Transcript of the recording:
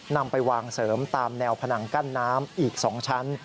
นำไปวางเสริมตามแนวผนังกั้นน้ำอีก๒ชั้น